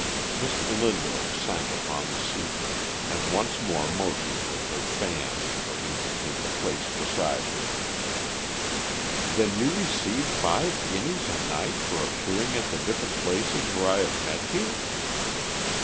Miss Linderham sank upon the seat, and once more motioned with her fan for him to take the place beside her. "Then you receive five guineas a night for appearing at the different places where I have met you?"